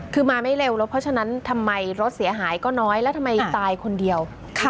คือมาไม่เร็วแล้วเพราะฉะนั้นทำไมรถเสียหายก็น้อยแล้วทำไมตายคนเดียว